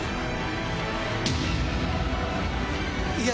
いや